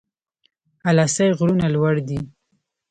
اله سای غرونه لوړ دي؟